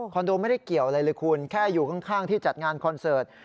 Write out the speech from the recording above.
โดไม่ได้เกี่ยวอะไรเลยคุณแค่อยู่ข้างที่จัดงานคอนเสิร์ต